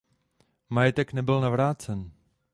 Majetek nebyl navrácen.